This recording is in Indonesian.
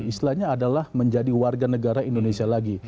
istilahnya adalah menjadi warga negara indonesia lagi